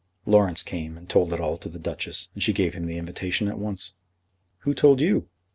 "Laurence came and told it all to the Duchess, and she gave him the invitation at once." "Who told you?"